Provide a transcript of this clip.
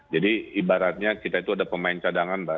jadi ibaratnya kita itu ada pemain cadangan mbak